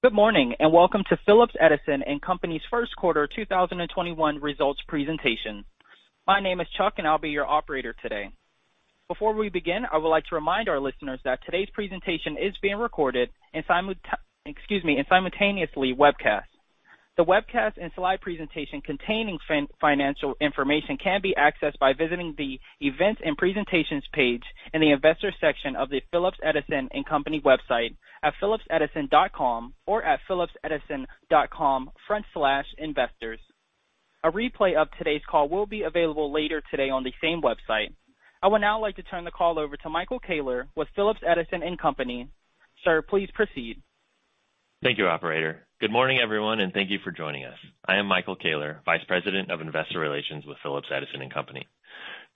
Good morning, and welcome to Phillips Edison & Company's first quarter 2021 results presentation. My name is Chuck, and I'll be your operator today. Before we begin, I would like to remind our listeners that today's presentation is being recorded and simultaneously webcast. The webcast and slide presentation containing financial information can be accessed by visiting the Events and Presentations page in the Investors section of the Phillips Edison & Company website at phillipsedison.com or at phillipsedison.com/investors. A replay of today's call will be available later today on the same website. I would now like to turn the call over to Michael Koehler with Phillips Edison & Company. Sir, please proceed. Thank you, operator. Good morning, everyone, and thank you for joining us. I am Michael Koehler, Vice President of Investor Relations with Phillips Edison & Company.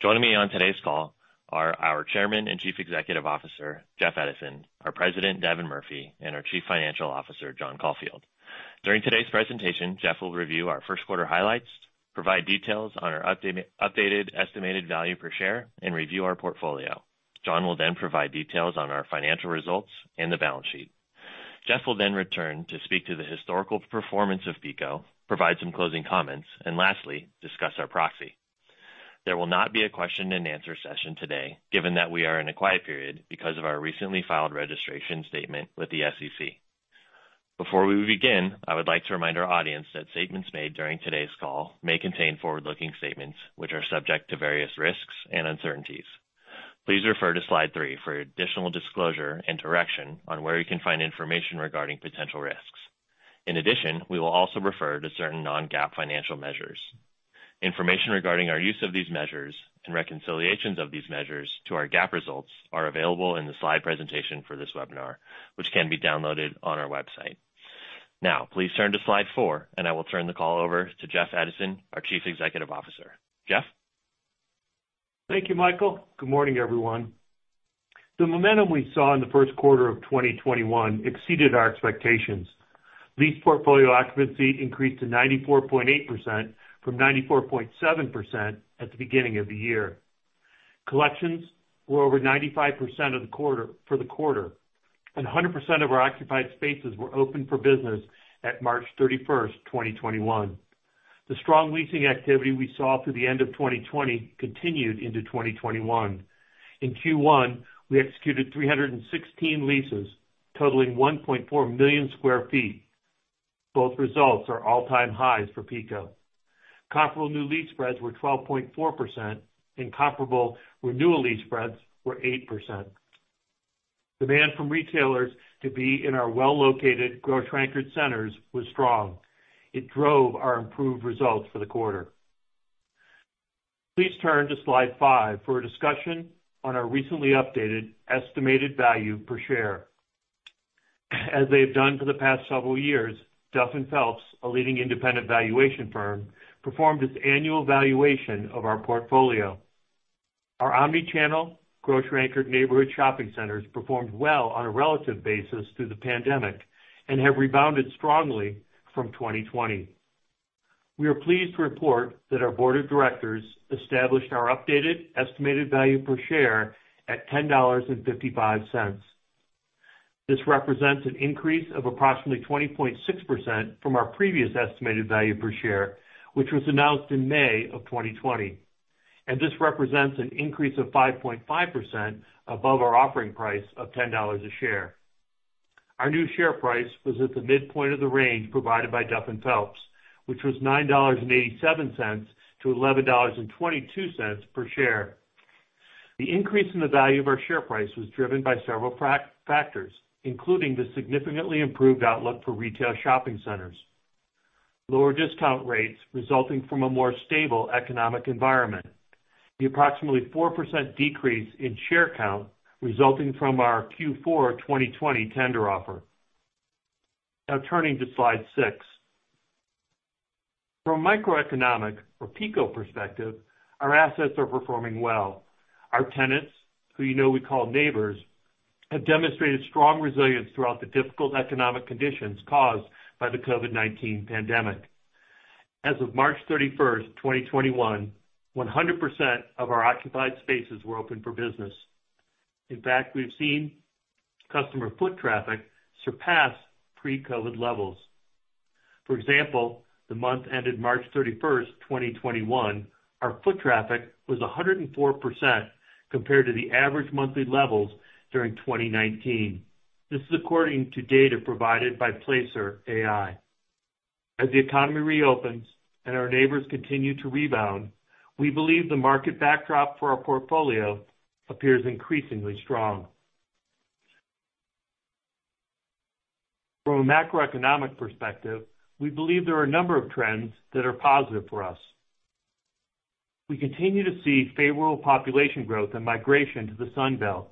Joining me on today's call are our Chairman and Chief Executive Officer, Jeff Edison, our President, Devin Murphy, and our Chief Financial Officer, John Caulfield. During today's presentation, Jeff will review our first quarter highlights, provide details on our updated estimated value per share, and review our portfolio. John will then provide details on our financial results and the balance sheet. Jeff will then return to speak to the historical performance of PECO, provide some closing comments, and lastly, discuss our proxy. There will not be a question and answer session today, given that we are in a quiet period because of our recently filed registration statement with the SEC. Before we begin, I would like to remind our audience that statements made during today's call may contain forward-looking statements which are subject to various risks and uncertainties. Please refer to slide three for additional disclosure and direction on where you can find information regarding potential risks. In addition, we will also refer to certain non-GAAP financial measures. Information regarding our use of these measures and reconciliations of these measures to our GAAP results are available in the slide presentation for this webinar, which can be downloaded on our website. Now, please turn to slide four, and I will turn the call over to Jeff Edison, our Chief Executive Officer. Jeff? Thank you, Michael. Good morning, everyone. The momentum we saw in the first quarter of 2021 exceeded our expectations. Lease portfolio occupancy increased to 94.8% from 94.7% at the beginning of the year. Collections were over 95% for the quarter, and 100% of our occupied spaces were open for business at March 31st, 2021. The strong leasing activity we saw through the end of 2020 continued into 2021. In Q1, we executed 316 leases totaling 1.4 million sq ft. Both results are all-time highs for PECO. Comparable new lease spreads were 12.4%, and comparable renewal lease spreads were 8%. Demand from retailers to be in our well-located grocery-anchored centers was strong. It drove our improved results for the quarter. Please turn to slide five for a discussion on our recently updated estimated value per share. As they've done for the past several years, Duff & Phelps, a leading independent valuation firm, performed its annual valuation of our portfolio. Our omni-channel grocery-anchored neighborhood shopping centers performed well on a relative basis through the pandemic and have rebounded strongly from 2020. We are pleased to report that our board of directors established our updated estimated value per share at $10.55. This represents an increase of approximately 20.6% from our previous estimated value per share, which was announced in May of 2020. This represents an increase of 5.5% above our offering price of $10 a share. Our new share price was at the midpoint of the range provided by Duff & Phelps, which was $9.87-$11.22 per share. The increase in the value of our share price was driven by several factors, including the significantly improved outlook for retail shopping centers, lower discount rates resulting from a more stable economic environment. The approximately 4% decrease in share count resulting from our Q4 2020 tender offer. Turning to slide six. From a microeconomic or PECO perspective, our assets are performing well. Our tenants, who you know we call neighbors, have demonstrated strong resilience throughout the difficult economic conditions caused by the COVID-19 pandemic. As of March 31st, 2021, 100% of our occupied spaces were open for business. In fact, we've seen customer foot traffic surpass pre-COVID levels. For example, the month ended March 31st, 2021, our foot traffic was 104% compared to the average monthly levels during 2019. This is according to data provided by Placer.ai. As the economy reopens and our neighbors continue to rebound, we believe the market backdrop for our portfolio appears increasingly strong. From a macroeconomic perspective, we believe there are a number of trends that are positive for us. We continue to see favorable population growth and migration to the Sun Belt.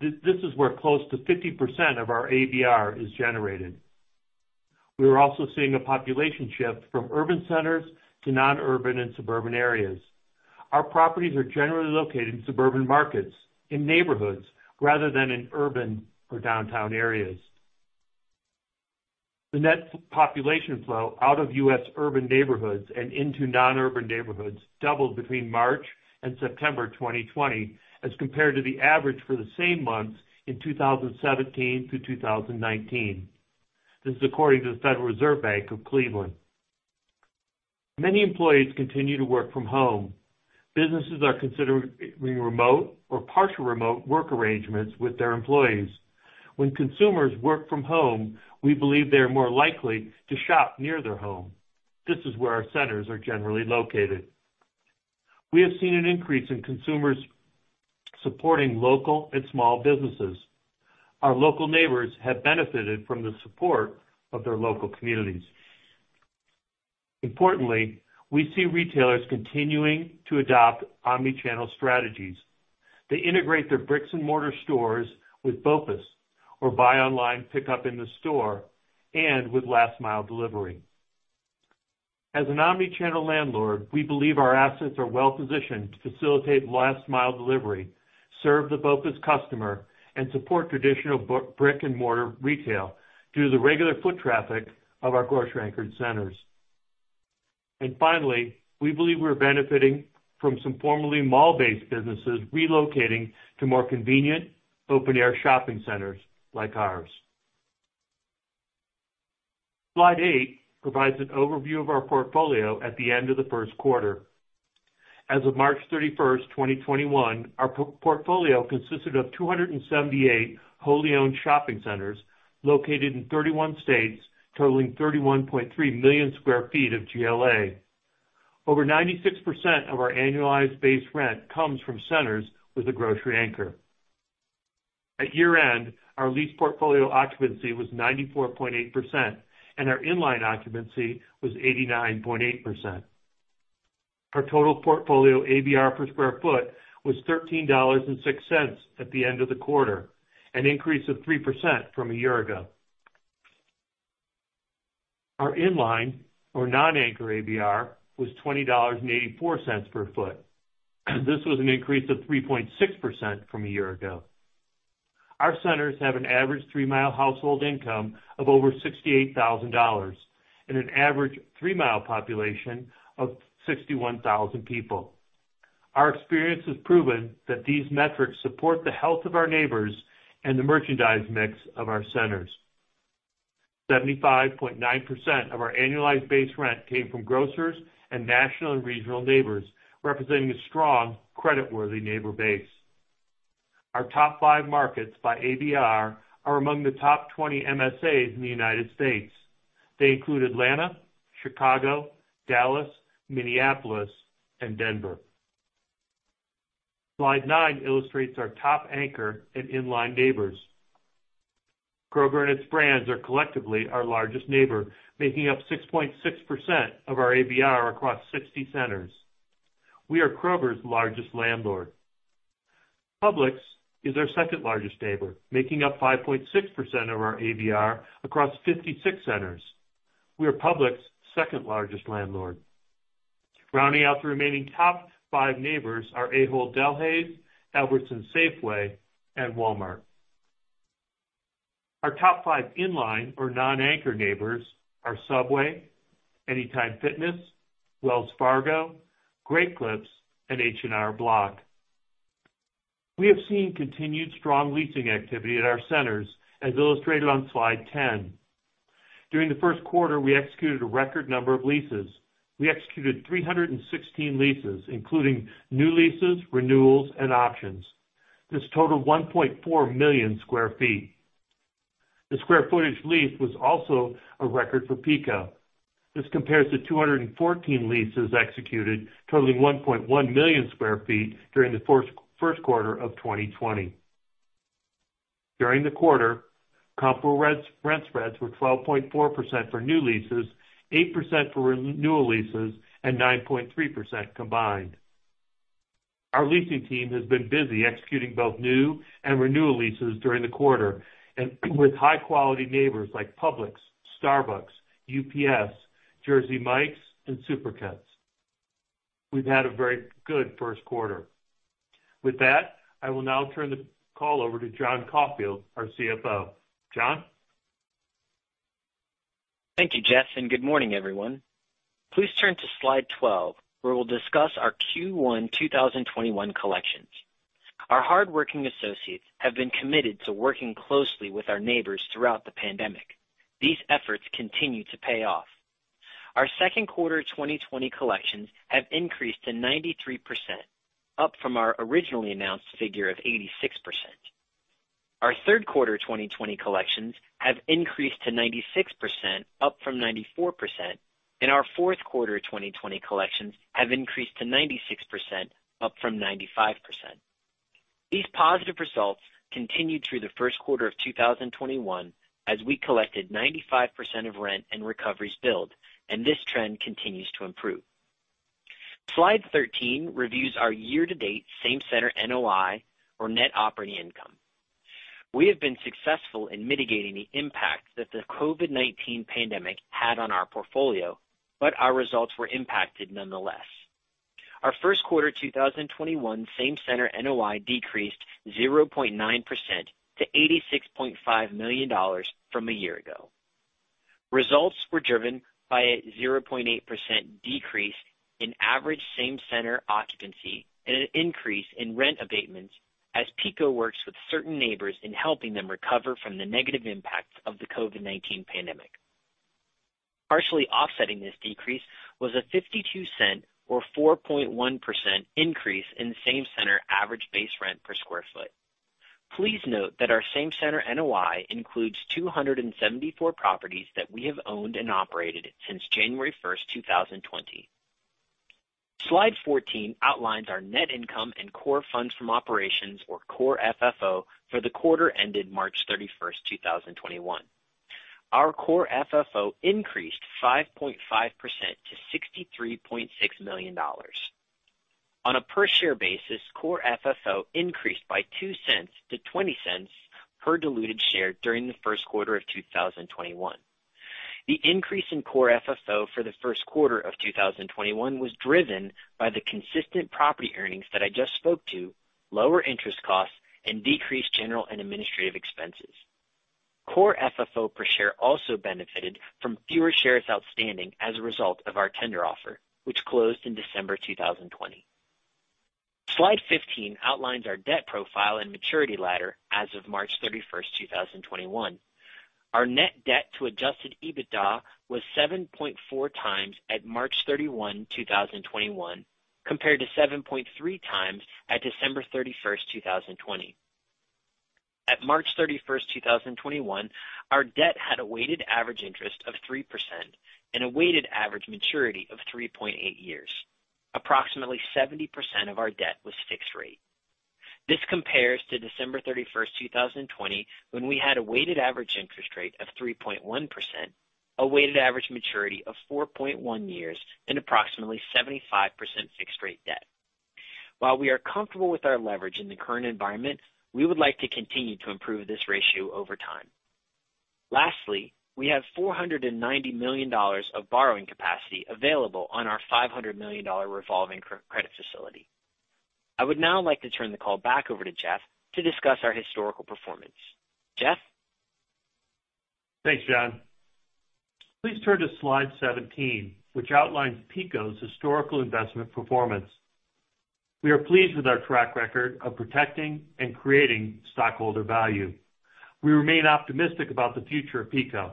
This is where close to 50% of our ABR is generated. We are also seeing a population shift from urban centers to non-urban and suburban areas. Our properties are generally located in suburban markets, in neighborhoods rather than in urban or downtown areas. The net population flow out of U.S. urban neighborhoods and into non-urban neighborhoods doubled between March and September 2020 as compared to the average for the same months in 2017-2019. This is according to the Federal Reserve Bank of Cleveland. Many employees continue to work from home. Businesses are considering remote or partial remote work arrangements with their employees. When consumers work from home, we believe they are more likely to shop near their home. This is where our centers are generally located. We have seen an increase in consumers supporting local and small businesses. Our local neighbors have benefited from the support of their local communities. Importantly, we see retailers continuing to adopt omni-channel strategies. They integrate their bricks and mortar stores with BOPUS, or buy online, pick up in the store, and with last-mile delivery. As an omni-channel landlord, we believe our assets are well-positioned to facilitate last-mile delivery, serve the BOPUS customer, and support traditional brick and mortar retail due to the regular foot traffic of our grocery-anchored centers. Finally, we believe we're benefiting from some formerly mall-based businesses relocating to more convenient open-air shopping centers like ours. Slide eight provides an overview of our portfolio at the end of the first quarter. As of March 31st, 2021, our portfolio consisted of 278 wholly owned shopping centers located in 31 states, totaling 31.3 million sq ft of GLA. Over 96% of our annualized base rent comes from centers with a grocery anchor. At year-end, our lease portfolio occupancy was 94.8%, and our in-line occupancy was 89.8%. Our total portfolio ABR per square foot was $13.06 at the end of the quarter, an increase of 3% from a year ago. Our in-line or non-anchor ABR was $20.84 per foot. This was an increase of 3.6% from a year ago. Our centers have an average three-mile household income of over $68,000 and an average three-mile population of 61,000 people. Our experience has proven that these metrics support the health of our neighbors and the merchandise mix of our centers. 75.9% of our annualized base rent came from grocers and national and regional neighbors, representing a strong creditworthy neighbor base. Our top five markets by ABR are among the top 20 MSAs in the United States. They include Atlanta, Chicago, Dallas, Minneapolis, and Denver. Slide nine illustrates our top anchor and in-line neighbors. Kroger and its brands are collectively our largest neighbor, making up 6.6% of our ABR across 60 centers. We are Kroger's largest landlord. Publix is our second-largest neighbor, making up 5.6% of our ABR across 56 centers. We are Publix's second-largest landlord. Rounding out the remaining top five neighbors are Ahold Delhaize, Albertsons Safeway, and Walmart. Our top five in-line or non-anchor neighbors are Subway, Anytime Fitness, Wells Fargo, Great Clips, and H&R Block. We have seen continued strong leasing activity at our centers, as illustrated on slide 10. During the first quarter, we executed a record number of leases. We executed 316 leases, including new leases, renewals, and options. This totaled 1.4 million sq ft. The square footage leased was also a record for PECO. This compares to 214 leases executed totaling 1.1 million sq ft during the first quarter of 2020. During the quarter, comp rent spreads were 12.4% for new leases, 8% for renewal leases, and 9.3% combined. Our leasing team has been busy executing both new and renewal leases during the quarter with high-quality neighbors like Publix, Starbucks, UPS, Jersey Mike's, and Supercuts. We've had a very good first quarter. With that, I will now turn the call over to John Caulfield, our CFO. John? Thank you, Jeff, and good morning, everyone. Please turn to Slide 12, where we'll discuss our Q1 2021 collections. Our hardworking associates have been committed to working closely with our neighbors throughout the pandemic. These efforts continue to pay off. Our second quarter 2020 collections have increased to 93%, up from our originally announced figure of 86%. Our third quarter 2020 collections have increased to 96%, up from 94%, and our fourth quarter 2020 collections have increased to 96%, up from 95%. These positive results continued through the first quarter of 2021, as we collected 95% of rent and recoveries billed, and this trend continues to improve. Slide 13 reviews our year-to-date same center NOI, or Net Operating Income. We have been successful in mitigating the impact that the COVID-19 pandemic had on our portfolio, but our results were impacted nonetheless. Our first quarter 2021 same-center NOI decreased 0.9% to $86.5 million from a year ago. Results were driven by a 0.8% decrease in average same-center occupancy and an increase in rent abatements as PECO works with certain neighbors in helping them recover from the negative impacts of the COVID-19 pandemic. Partially offsetting this decrease was a $0.52 or 4.1% increase in same-center average base rent per square foot. Please note that our same-center NOI includes 274 properties that we have owned and operated since January 1st, 2020. Slide 14 outlines our net income and core funds from operations, or core FFO, for the quarter ended March 31st, 2021. Our core FFO increased 5.5% to $63.6 million. On a per share basis, Core FFO increased by $0.02-$0.20 per diluted share during the first quarter of 2021. The increase in Core FFO for the first quarter of 2021 was driven by the consistent property earnings that I just spoke to, lower interest costs, and decreased general and administrative expenses. Core FFO per share also benefited from fewer shares outstanding as a result of our tender offer, which closed in December 2020. Slide 15 outlines our debt profile and maturity ladder as of March 31st, 2021. Our net debt to adjusted EBITDA was 7.4x at March 31st, 2021, compared to 7.3x at December 31st, 2020. At March 31st, 2021, our debt had a weighted average interest of 3% and a weighted average maturity of 3.8 years. Approximately 70% of our debt was fixed rate. This compares to December 31st, 2020, when we had a weighted average interest rate of 3.1%, a weighted average maturity of 4.1 years, and approximately 75% fixed rate debt. While we are comfortable with our leverage in the current environment, we would like to continue to improve this ratio over time. Lastly, we have $490 million of borrowing capacity available on our $500 million revolving credit facility. I would now like to turn the call back over to Jeff to discuss our historical performance. Jeff? Thanks, John. Please turn to slide 17, which outlines PECO's historical investment performance. We are pleased with our track record of protecting and creating stockholder value. We remain optimistic about the future of PECO.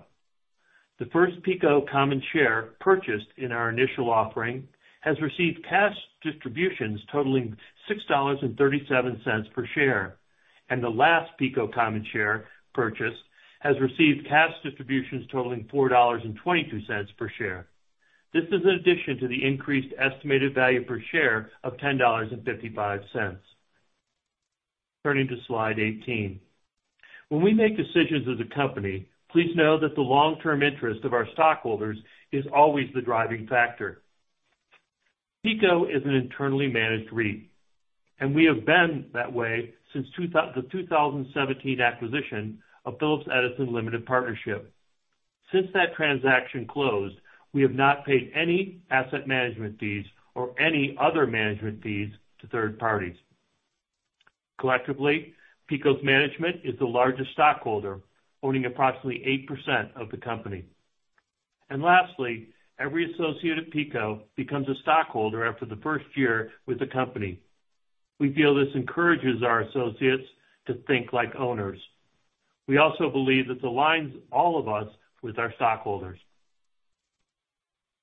The first PECO common share purchased in our initial offering has received cash distributions totaling $6.37 per share, and the last PECO common share purchase has received cash distributions totaling $4.22 per share. This is in addition to the increased estimated value per share of $10.55. Turning to slide 18. When we make decisions as a company, please know that the long-term interest of our stockholders is always the driving factor. PECO is an internally managed REIT, and we have been that way since the 2017 acquisition of Phillips Edison Limited Partnership. Since that transaction closed, we have not paid any asset management fees or any other management fees to third parties. Collectively, PECO's management is the largest stockholder, owning approximately 8% of the company. Lastly, every associate at PECO becomes a stockholder after the first year with the company. We feel this encourages our associates to think like owners. We also believe this aligns all of us with our stockholders.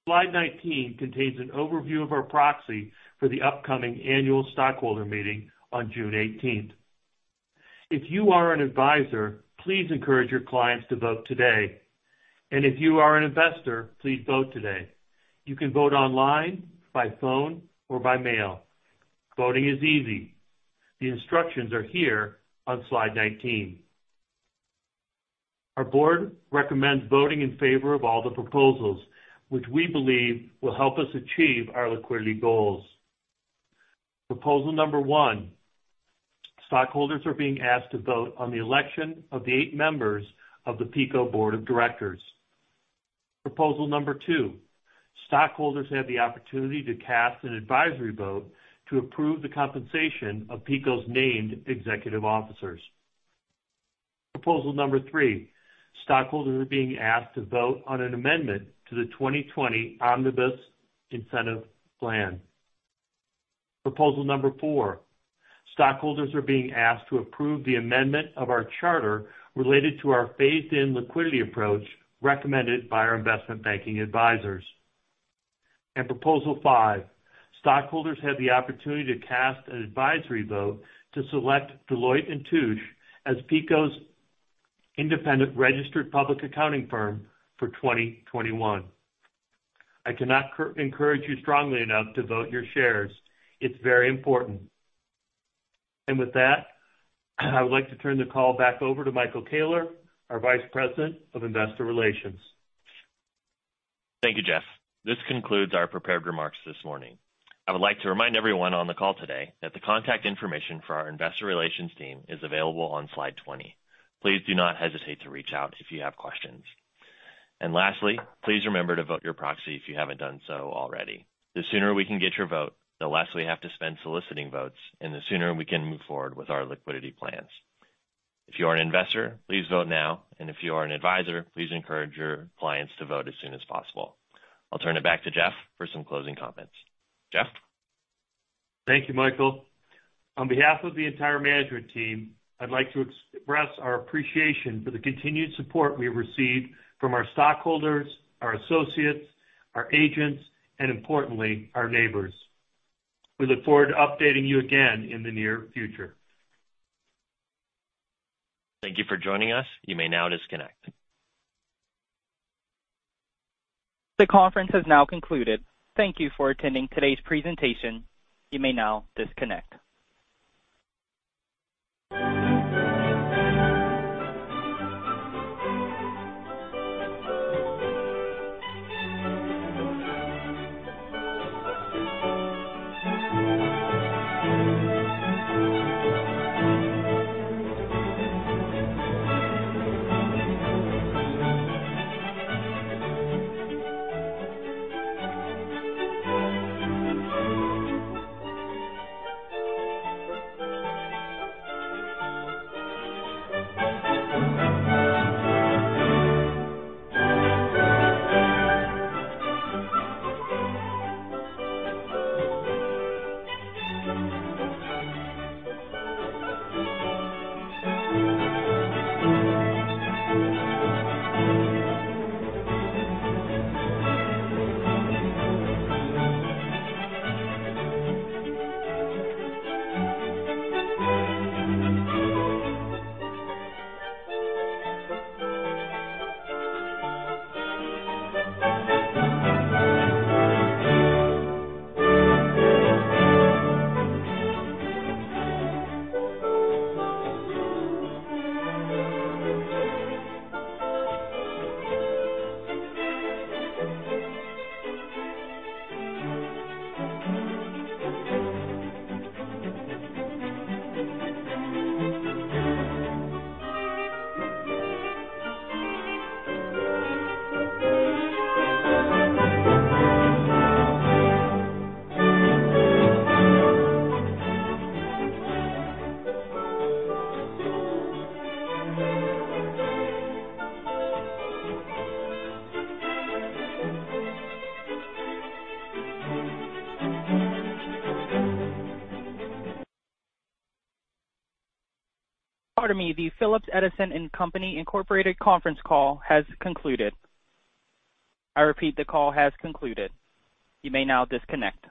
Slide 19 contains an overview of our proxy for the upcoming annual stockholder meeting on June 18th. If you are an advisor, please encourage your clients to vote today, and if you are an investor, please vote today. You can vote online, by phone, or by mail. Voting is easy. The instructions are here on slide 19. Our board recommends voting in favor of all the proposals, which we believe will help us achieve our liquidity goals. Proposal number one, stockholders are being asked to vote on the election of the eight members of the PECO Board of Directors. Proposal number two, stockholders have the opportunity to cast an advisory vote to approve the compensation of PECO's named executive officers. Proposal number three, stockholders are being asked to vote on an amendment to the 2020 Omnibus Incentive Plan. Proposal number four, stockholders are being asked to approve the amendment of our charter related to our phased-in liquidity approach recommended by our investment banking advisors. Proposal five, stockholders have the opportunity to cast an advisory vote to select Deloitte & Touche as PECO's independent registered public accounting firm for 2021. I cannot encourage you strongly enough to vote your shares. It's very important. With that, I'd like to turn the call back over to Michael Koehler, our Vice President of Investor Relations. Thank you, Jeff. This concludes our prepared remarks this morning. I would like to remind everyone on the call today that the contact information for our investor relations team is available on slide 20. Please do not hesitate to reach out if you have questions. Lastly, please remember to vote your proxy if you haven't done so already. The sooner we can get your vote, the less we have to spend soliciting votes, and the sooner we can move forward with our liquidity plans. If you are an investor, please vote now, and if you are an advisor, please encourage your clients to vote as soon as possible. I'll turn it back to Jeff for some closing comments. Jeff? Thank you, Michael. On behalf of the entire management team, I'd like to express our appreciation for the continued support we receive from our stockholders, our associates, our agents, and importantly, our neighbors. We look forward to updating you again in the near future. Thank you for joining us. You may now disconnect. The conference has now concluded. Thank you for attending today's presentation. You may now disconnect. Pardon me, the Phillips Edison & Company, Inc. conference call has concluded. I repeat, the call has concluded. You may now disconnect.